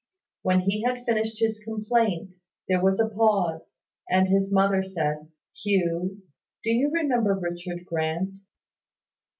When he had finished his complaint, there was a pause, and his mother said "Hugh, do you remember Richard Grant?"